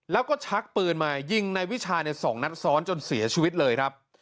แล้วก็ชักปืนมายิงในวิชาใน๒นัดซ้อนจนเสียชีวิตเลยครับ